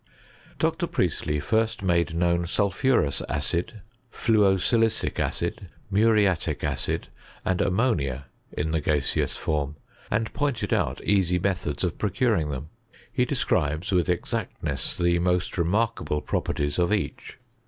Dr. Priestley first made known sulphurous acid, fluosilicic acid, muriatic acid, and ammonia in the gaseous form ; and pointed out easy methods of procuring them; he describes with exactness the moat remarkable properties of each.